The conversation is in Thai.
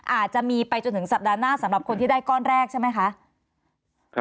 อาจจะมีไปจนถึงสัปดาห์หน้าสำหรับคนที่ได้ก้อนแรกใช่ไหมคะ